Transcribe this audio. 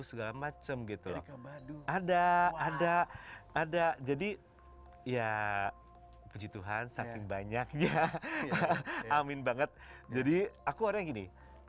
segala macem gitu ada ada jadi ya puji tuhan saking banyak ya amin banget jadi aku orangnya gini